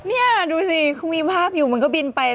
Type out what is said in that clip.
นี่ดูสิคุณมีภาพอยู่มันก็บินไป